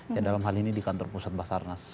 ya dalam hal ini di kantor pusat basarnas